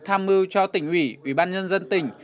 tham mưu cho tỉnh ủy ủy ban nhân dân tỉnh